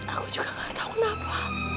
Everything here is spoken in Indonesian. aku juga gak tahu kenapa